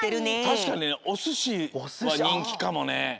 たしかにおすしはにんきかもね。